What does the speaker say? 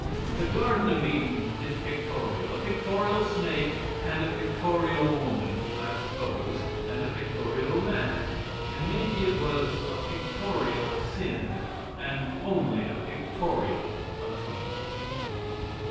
The Garden of Eden is pictorial; a pictorial snake and a pictorial woman, I suppose, and a pictorial man, and maybe it was a pictorial sin. And only a pictorial atonement.